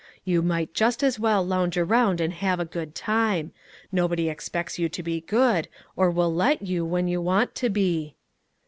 You might just as well lounge around and have a good time. Nobody expects you to be good, or will let you, when you want to be."